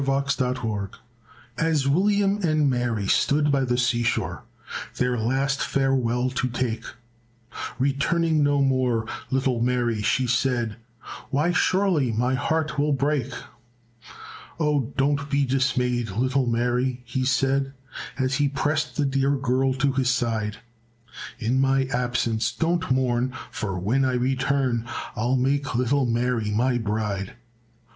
LOVE IN DISGUISE As William and Mary stood by the seashore Their last farewell to take, Returning no more, little Mary she said, "Why surely my heart will break." "Oh, don't be dismayed, little Mary," he said, As he pressed the dear girl to his side, "In my absence don't mourn, for when I return I'll make little Mary my bride."